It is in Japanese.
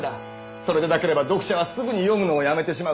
それでなければ読者はすぐに読むのをやめてしまう。